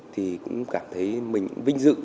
thì cũng cảm thấy mình vinh dự